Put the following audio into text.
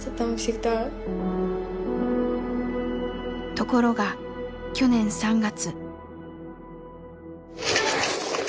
ところが去年３月。